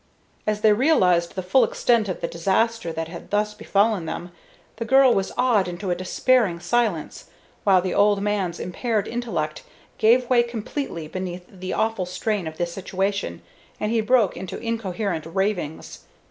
As they realized the full extent of the disaster that had thus befallen them, the girl was awed into a despairing silence; while the old man's impaired intellect gave way completely beneath the awful strain of the situation, and he broke into incoherent ravings.